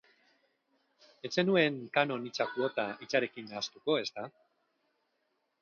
Ez zenuen kanon hitza kuota hitzarekin nahastuko, ezta?